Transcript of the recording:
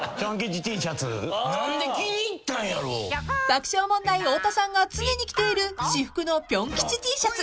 ［爆笑問題太田さんが常に着ている私服のピョン吉Ｔシャツ］